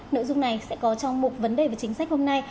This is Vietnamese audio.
nội dung này sẽ có trong mục vấn đề về chính sách hôm nay